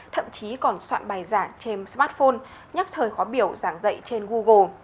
thậm chí còn soạn bài giảng trên smartphone nhắc thời khó biểu giảng dạy trên google